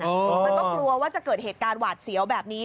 มันก็กลัวว่าจะเกิดเหตุการณ์หวาดเสียวแบบนี้